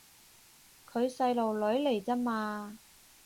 佢細路女嚟咋嘛